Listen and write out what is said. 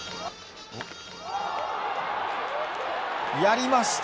やりました！